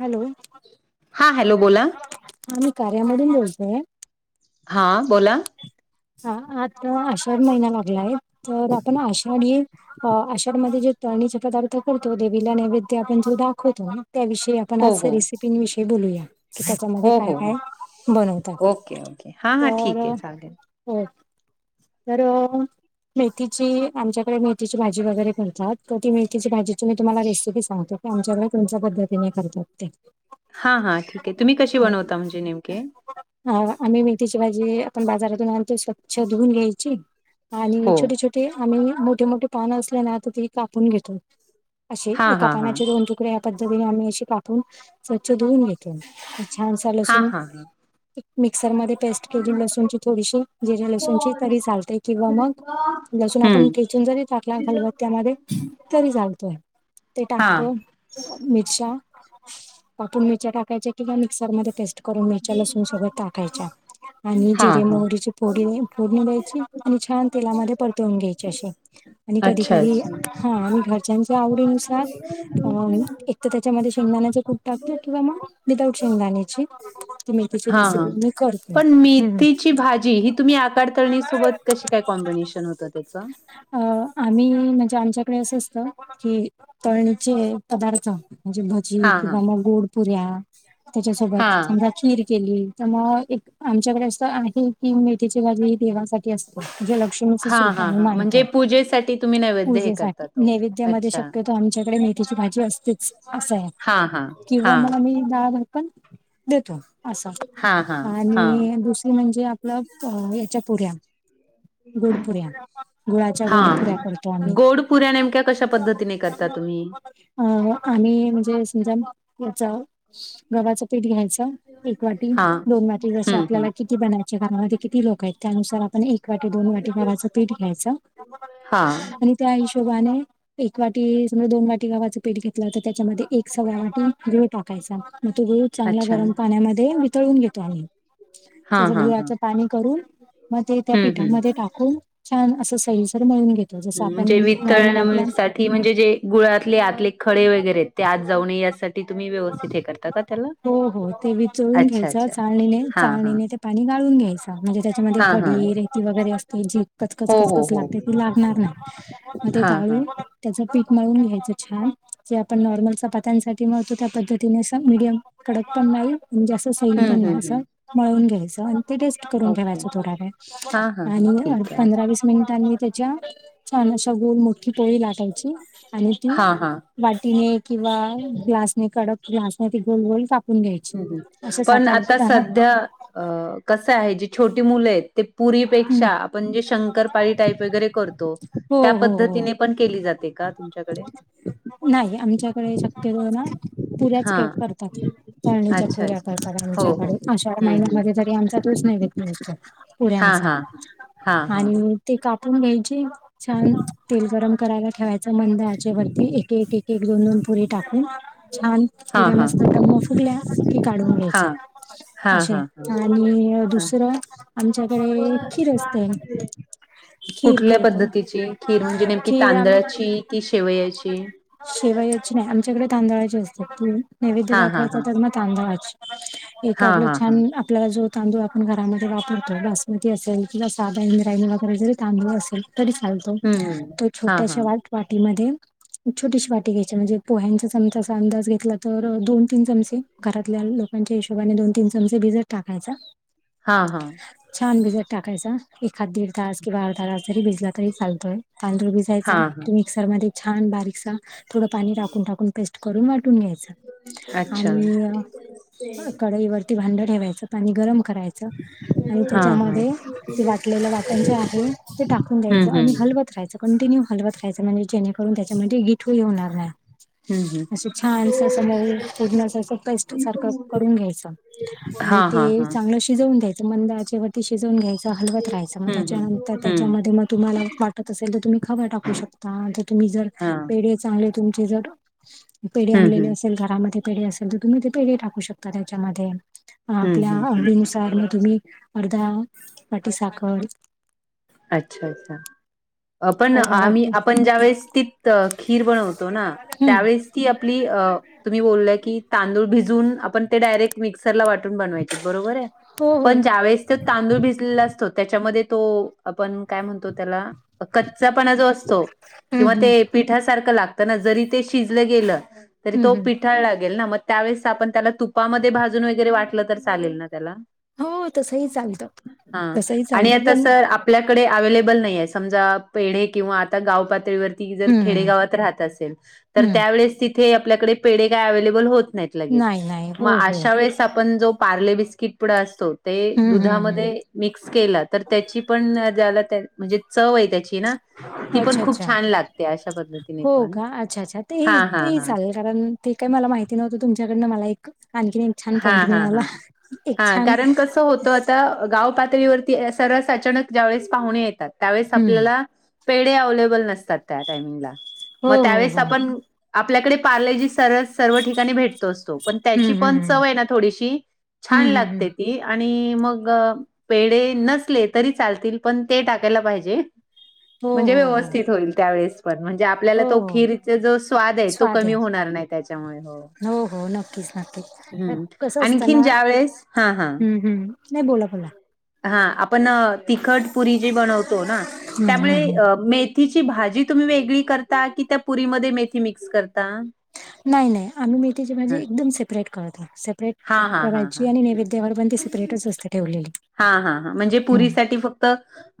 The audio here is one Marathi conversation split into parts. हॅलो हा हॅलो बोला हा मी कार्यामून जाोलतेय हा बोला हा आता आषाढ महिना लागला आहे तर आपण आषाढी अ आषाढ मध्ये जे तरणीचे पदार्थ करतो देवीला नैवेद्य आपण जो दाखवतो त्याविषयी आपण हो आज हो रेसिपीविषयी बोलूया की त्याच्यामध्ये हो काय हो काय हो बनवतात ओके ओके हां हां तर ठीक आहे चालेल हो तरर मेथीची आमच्याकडे मेथीची भाजी वगैरे करतात तर ती मेथीची भाजीची मी तुम्हाला रेसिपी सांगतो आमच्याकडे कोुणच्या पद्धतीने करतात ते हा हा ठीक आहे तुम्ही कशी बनवता म्हणजे नेमके ह आम्ही मेथीची भाजी आपण बाजारातून आणतेो स्वच्छ धुऊून घ्यायची आणि हो छोटी छोटी ते आम्ही मोठे मोठे पान असले ना आ ते कापून घेतो असे हां एका हां हां पानाचे दोन ह्या पद्धतीने आम्ही अशी कापून स्वच्छ धुवून घेते छान हां लसून हां हां मिक्सर मध्ये पेस्ट केली लसूणची थोडीशी जिरं लसूणची तरी चालते किंवा मग लसून आपण हम्म ठेचून जरी टाकला खलबत्यामध्ये तरी चालतोय ते हां टाकतो मिरच्या कापून मिरच्या टाकायच्या किंवा मिक्सरमध्ये पेस्ट करून मिरच्या लसून सगळ्या टाकायच्या आणि हां जिरे हां मोहरीची फोडणी फोडणी द्यायची आणि छान तेलामध्ये परतवून घ्यायची अशी. आणि कधी अच्छा कधी अच्छा हा आणि घरच्यांच्या आवडीनुसार अ एक तर त्याच्यामध्ये शेंगदाण्याच कूट टाकतात की मग विदाउट शेंगदाण्याची क मी तिची हां हां रेसिपी मी करतो पण हम्म. मेथीची भाजी ही तुम्ही आकाड तळणी सोबत कशी काय कॉम्बिनेशन होत त्याच? अ आम्ही म्हणजे आमच्याकडे असं असतं की तळणीचे पदार्थ म्हणजे भजी हां हां किंवा मग गोडपुऱ्या त्याच्यासोबत हां समजा खीर केली तर मग एक आमच्याकडे असं आहे की म बाजू ही देवासाठी असतो. जे लक्ष्मीचच हां रुप हां हां म्हणजे मानतो पूजेसाठी तुम्ही नैवेद्य हे पूजेसाठी करतात ओ नैवेद्यामध्ये अच्छा शक्यतो आमच्याकडे मेथीची भाजी असतेच अस आहे हां हां किंवा हां मग आम्ही [unintelligible] पण देतो अस आहे हां हां हां आणि दुसरी म्हणजे मग याच्या पुऱ्या गोडपुऱ्या, गुळाच्या हा गोडपुऱ्या करतो आम्ही ता तुम्ही अ आम्ही म्हणजे समजा पुढचा गव्हाचं पीठ घ्यायचं, एक वाटी हा दोन वाटी जसं हम्म हम्म आपल्याला किती बनायचे घरामध्ये किती लोक आहेत त्यानुसार आपण एक एक वाटी दोन वाटी गव्हाचं पीठ घ्यायच हा आणि त्या हिशोबाने एक वाटी समज दोन वाटी गव्हाचं पीठ घेतलं तर त्याच्यामध्ये एक सव्वा वाटी गुळ टाकायचा मग तो गुळ चांगल्या अच्छा गरम पाण्यामध्ये वितळून घेतो आम्ही. हा त्याच हा हा. गुळाचं पाणी करून मग ते त्या हम्म पिठामध्ये हम्म टाकून छान असं सैलसर मळून घे म्हणजे वितळण साठी म्हणजे जे गुळातले आतले खळे वगैरे आहेत त्या आत जाऊणे यासाठी तुम्ही व्यवस्थित हे करता का त्याला हो हो ते विचळून अच्छा घ्यायचं अच्छा. हा हा चाळणीने ते पाणी गाळून घ्याय च म्हणजे त्याच्यामध्ये हा हा खडी रेती वगैरे असते जी कचकच हो हो कचकच हो लागते ती लागणार नाही. मग ते हा हा गाळुन त्याचं पीट मळून घ्यायचं छान जे आपण नॉर्मल चपात्यांसाठी मळतो त्या पद्धतीने असं मिडियम कडक पण नाही म्हणजे अस सैल हम्म पण हम्म नाही असं हम्म मळून घ्यायचं आणि ते से ट करून ओके ठेवायची थोडा हा हा वेळ हा आणि ठीक आहे पंधरा वीस मिनिटांनी त्या च्या छान अशा गोल मोठी पोळी लाटायची, आणि ती हा हा वाटीने किंवा ग्लासने कडक ग्लासने ते गोल गोल कापून घ्यायची. ह ह अशा पण सात आठ आता दहा सध्या अ कसं आहे, जी छोटी मुलं आहेत ते पुरी हम्म पेक्षा आपण जे शंकरपाळी टाईप वगैरे करतो, हो त्या हो हो पद्धतीने पण केली जाते का, तुमच्याकडे? नाही, आमच्याकडे शक्यतो ना पुऱ्याच हा करतात. तळणीच्या अच्छा पुऱ्या अच्छा करतात, हो हो आमच्याकडे आषाढ हम्म हम्म महिन्यामध्ये तरी आमचा तोच नैवेद्य असतो. हा पुऱ्यांचा. हा हा हा. आणि ते कापून घ्यायचे, छान तेल गरम करायला ठेवायचं. मंद आचेवरती एक एक एक दोन दोन पुरीे टाकून छान हा पुऱ्या हा मस्त टम्म फुगल्या कि, काढून हा घ्यायच्या हा असे हा आणि हा दुसरं आमच्या कडे खीर असते. खीर कुठल्या करतो पद्धतीची खीर म्हणजे, नेमकी खीर तांदळाची की शेवयाची? शेवायाची नाही, आमच्याकडे तांदळाची असते नैवेद्य हा हा दाखवायच हा तर मग तांदळाच एक हा आपलं हा हा छान आपल्याला जो तांदूळ आपण घरामध्ये वापरतो बासमती असेल, किंवा साधा इंद्रायणी वगैरे जरी तांदूळ असेल. तरी चालतो, हम्म हम्म तो हा हा छोट्याशा वाट -वाटीमध्ये छोटीशी वाटी घ्यायची, म्हणजे पोह्यांचा चमचांचा अंदाज घेतला तर, दोन तीन चमचे. घरातल्या लोकांच्या हिशोबाने दोन तीन चमचे भिजत टाकायचा. हा हा. छान भिजत टाकायचा, एखाद दीड तास. किंवा अर्धा तास तरी भिजला तरी चालतोय, तांदूळ हा भिजावायचा हा तो मिक्सर मध्ये छान बारीकसा थोड पाणी टाकून टाकून पेस्ट करून वाटून घ्यायच, अच्छा आणि कढई वर ते भांड ठेवायचं, आणि गरम करायच आणि हा त्याच्या हा. मध्ये ते वाटलेलं वाटण जे आहे, ते टाकून द्यायच हम्म हम्म आणि हम्म हलवत रहायचं, कंटिन्यू हलवत राहायच म्हणजे, जेणेकरून त्याच्यामध्ये गिठळी होणार नाही. हम्म असं छानस असं मऊ पुढन असं, टेस्ट सारखं करून घ्यायचं. आणि हा हा ते हा. चांगलं शिजवून द्यायचं, मंदा आचे वरती शिजवून घ्यायच. हलवत राहायं मग, हम्म हम्म त्याच्यानंतर त्याच्या हम्म मध्ये मग तुम्हाला वाटत असेल तुम्ही खवा टाकू शकता, तुम्ही जर हा पेढे चांगले तुमचे जर पेढे हम्म आणलेले हम्म असेल घरा मध्ये पेढे असेल तर, तुम्ही ते पेढ टाकू शकता त्याच्यामध्ये हम्म आपल्या हम्म हम्म आवडीनुसार. तुम्ही अर्धा वाटी साखर अच्छा अच्छा! पण अर्धा आम्ही, वाटी आपण ज्यावेेळेस तिथं खीर बनवतो ना हम्म त्यावेळेस - - ती आपली तुम्ही बोललाय की, तांदूळ भिजून आपण ते डायरेक्ट मिक्सर ला वाटून बनवायचे बरोबर आहे, हो हो पण ज्या वेळेस तांदूळ भिजलेला असतो, त्याच्यामध्ये तो आपण काय म्हणतो त्याला कच्चापणा जो असतो हम्म किंवा हम्म ते पिठासारखं लागत ना, जरी ते शिजलं गेलं तरी हम्म तो हम्म पिठ ठाळ लागेल ना, मग त्यावेळेस आपण त्याला तुपामध्ये भाजून वगैरे वाटलं तर चालेल ना त्याला? हो तसही चालतं हा, तसही आणि चालतं आता पण असं आपल्याकडे अव्हेलेबल नाहीये, समजा पेढे किंवा आता गाव पातळीवर जर हम्म खेडेगावात राहत असेल तर, हं. त्यावेळेस तिथे आपल्याकडे पेढे काय अवलेबल होत नाहीत. लगेच नाही, नाही. मग हो, हो. अशा वेळेस आपण जो पार्ले बिस्किट पुडा असतो, ते हं, हं, हं. दुधामध्ये मिक्स केला तर त्याची [unintelligible] म्हणजे चव आहे, त्याची ना. ती पण अच्छा, खूप अच्छा. छान लागते, अशा पद्धतीने हो पण का? अच्छा, अच्छा. हा तेही हा तेही हा. चालेल कारण ते काही मला माहिती नव्हतं, तुमच्याकडनं मला एक आणखी एक छान हा पॉइंट हा मिळाला. हां एक हा छान कारण कसं होतं आता गाव पातळीवरती. सरस अचानक ज्यावेेळेस पाहुणे येतात त्यावेळेस हं. आपल्याला. पेढ अवलेबल नसतात त्या टामिंगला हो, मग हो, त्यावेळेस हो. आपण आपल्याकडे प. स सर्व ठिकाणी भेटतो असतो पण त्याची हं, हं, पण चव हं. आहे ना थोडीशी छान हं, हं, लागते हं. ती. आणि मग पेढ नसले तरी चालतील पण ते टाकायला पाहिजे. हो, म्हणजे हो, हो. व्यवस्थित होईल त्यावेळेस पण म्हणजे. आपल्याला हो, तो हो. खीरचा जो स्वाद आहे तो कमी होणार नाही त्याच्यामुळे हो. हो हो नक्कीच नक्कीच. तर हम्म कसं असतं ना आणखीन ज्या वेळेस हा हा. हं, हं. नाही बोला, बोला. हा आपण तिखट पुरी जे बनवतो ना हं, त्यामुळे हं, हं. म. मेथीची भाजी तुम्ही वेगळी करता कि त्या पुरीमध्ये मेथी मिक्स करता. नाही नाही आम्ही मेथीची भाजी हा एकदम सेपरेट करतो सेपरेट हा हा हा हा करायची आणि ठीक आहे. नैवेद्यावर पण ते. टच स्स्त ठेवली. हा हा ह म्हणजे पुरीसाठी फक्त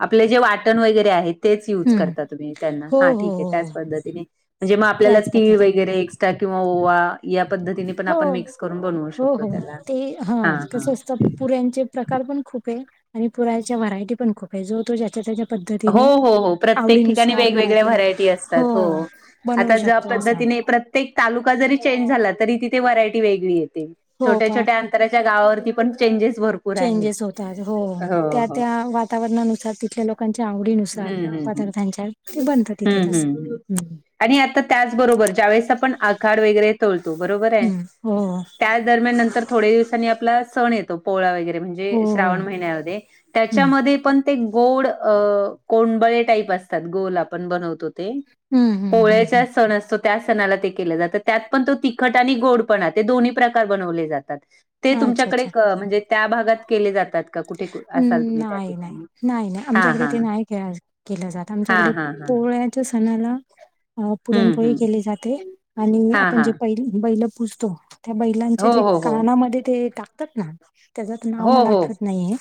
आपले जे वाटण वगैरे आहेत. तेच यज हं. करता तुम्ही त्यांना हो हा हो ठीके हो त्याच पद्धतीने म्हणजे मग आपल्याला त्याच तीळ पद्धती वगैरे किंवा ओवा या पद्धतीने पण हो आपण मिक्स करून बनवू हो शकतो हो त्याला. ते हा कस असतं पुऱ्यांचे प्रकार पण खूप आहे आणि पुराच्या व्हरायटी पण खूप आहे जो तो ज्याच्या त्या हो हो हो प्रत्येक ठिकाणी वेगवेगळ्या घरातल्या व्हरायटी असतात हो बनवू आता ज्या शकतो असा पद्धतीने प्र तालुका जरी चेंज झाला तरी तिथे व्हरायटी वेगळीेते हो छोट्या पा छोट्या च्या गावावरती पण चेंजेस भर चेंजेस होतात हो त्या त्या वातावरणानुसार तिथ लोक लोकांच्या आवडीनुसार हम्म हम्म हम्म पदार्थांच्या ते बनत तिथे त हम्म. हम्म आणि आता त्याचबरोबर ज्यावेेळेस आपण आखाड वगैरे तोळतो बरोबर आहे हम्म हो त्याच दरम्यान नंतर थोडे्या दिवसांनी आपला सण येतो पोळा वगैरे हो म्हणजे हो श्रावण महिन्यामध्ये हम्म त्याच्यामध्ये पण ते गोड कोंबळे टाईप असतात गोल आपण बनवतो हम्म हम्म हम्म पोळ्याच्या सण असतो. त्या सणाला ते केलं जात त्यात पण तो तिखट आणि गोडपणा ते दोन्ही प्रकार बनवले जातात. ते हम्म अच्छा तुमच्याकडे अच्छा म्हणजे त्या भागात केले जातात. का कुठे कु हम्म असाल तुम्ही त्या नाही नाही ठिकाणी? नाही नाही हां आमच्याकडे हां ते नाही खे केलं जात आमच्याकडे हां हां हां पोळ्याच्या सणाला अ हम्म पुरणपोळी हम्म केली जाते आणि हां आपण हां जे पै बैल पुूजतो त्या बैलांच्या हो जे हो हो कानामध्ये ते टाकतात ना त्याच नाव हो मला हो आठवत नाही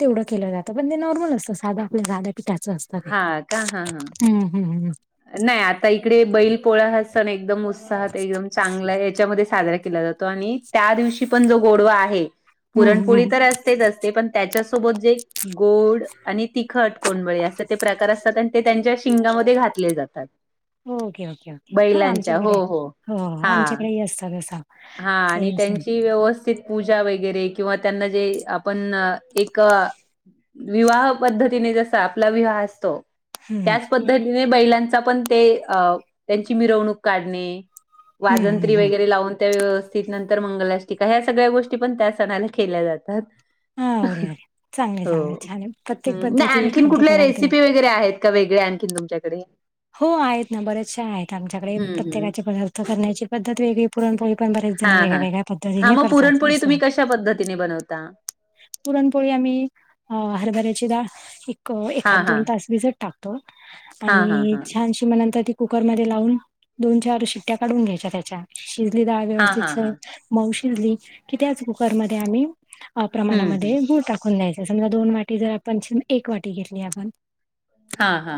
तेवढं केलं जातं पण ते नॉर्मल असतं साधं आपल्या जाध्या पिठाचं असतं हां का हां हां हम्म हम्म हम् नाही आता इकडे बैल पोळ हात सण एकदम उत्साहात एकदम चांगला याच्यामध्ये साजरा केला जातो आणि त्या दिवशी पण जो गोडवा आहे हम्म, पुरणपोळी हम्म. तर असतेच असते पण त्याच्यासोबत जे गोड आणि तिखट कोंबळी असं ते प्रकार असतात आणि ते त्यांच्या शिंगामध्ये घात कले जातात ओके ओके ओके ह बैलांच्या हो आमच्याकडे हो हा आमच्याकडे ये असत त हा आणि त्यांची व्यवस्थित पूजा वगैरे किंवा त्यांना जे आपण एक विवाह पद्धतीने जसा आपला विवाह असतो हम्म, त्याच पद्धतीने बैलांचा पण ते अ त्यांची मिरवणूक काढणे हम्म, वाजंत्री हम्म, हम्म. वगैरे लावून त्या व्यस् त नंतर मंगलाष्टकाा ह्या सगळ्या गोष्टी पण त्या सणाला केल्या जातात हा ओरिओ चांगले चांगले छान आहे प्रत्येक पद्धती आणी कुठ खाद्यपदार्थ वे- रेसिी वगैे आहेत का वेगळे आणखीन तुमच्याकडे हो आहेत ना बरेचशा आहेत आमच्याकडे हम्म हम्म प्रत्येकाचे पदार्थ करण्याची पद्धत वेगळी पुरणपोळी पण बरेच जण हा वेगळ्या हा वेगळ्या हा पद्धतीने मग करतात पुरणपोळी असं. तुम्ही कशा पद्धतीने बनवता? पुरणपोळी आम्ही हरभऱ्याची डाळ एक हा एखाद हा दोन तास भिजत टाकतो. हा हा आणि हा छानशी किंवा नंतर ती कुकर मध्ये लावून, दोन चार शिट्ट्या काढून घ्यायच्या त्याच्या. शिजली डाळ हा हा व्यवस्थित हा मऊ शिजली की, त्याच कुकरमध्ये आम्ही प्रमाणा हम्म हम्म मध्ये गूळ टाकून द्यायचा, समजा दोन वाटी जर आपण एक वाटी घेतली आपण. हा हा.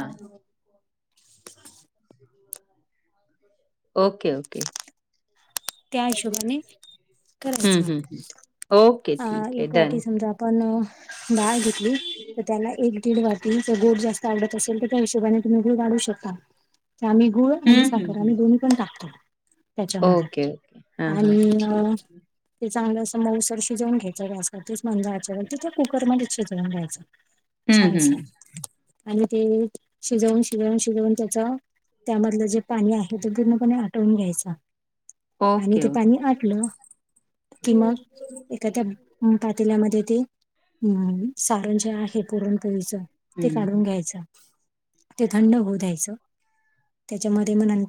[unintelligible] Okay okay! त्या हिशोबाने हम्म करायचं, हम्म ओके अ ठीक आहे एक डन. वाटी समजा पण डाळ घेतली. तर त्याला एक दीड वाटीचा गोड जास्त आवडत असेल, तर त्या हिशोबाने तुम्ही गुळ वाढवू शकता. आम्ही गुळ आणि हं, हं, साखर आम्ही हं. दोन्ही पण टाकतो, त्याच्या मध्ये. हा हा, ठीक आहे. ते चांगलं असं मऊसर शिजवून घ्यायचं, गॅसवर तेच मंद आचेवरती तिथं कुकर मध्येच शिजवून घ्यायचं. हं, छानसं! हं. आणि ते शिजवून शिजवून शिजवून त्याचा त्यामधलं जे पाणी आहे, ते पूर्णपणे आटवून घ्यायच. आणि ओके, ते ओके. पाणी आटलं कि मग एखाद्या पातील्या मध्ये ते अम सारण जे आहे पुरण पोळीचं ते हं. काढून घ्यायच, ते थंड होऊ द्यायचं त्याच्या मध्ये मग नंतर